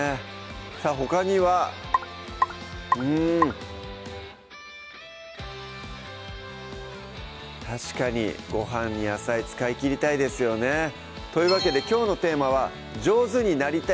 さぁほかにはうん確かにご飯に野菜使いきりたいですよねというわけできょうのテーマは「上手になりたい！